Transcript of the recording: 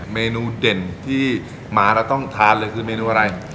เมนูเด่นที่หมาเราต้องทานเลยคือเมนูอะไร